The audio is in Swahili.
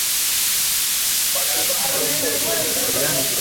viazi lishe vikichakatwa usafirishajihuwa rahisi